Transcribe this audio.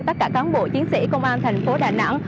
tất cả cán bộ chiến sĩ công an thành phố đà nẵng